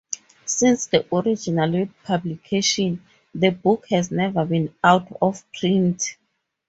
Since the original publication, the book has never been out of print.